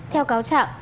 theo cáo chẳng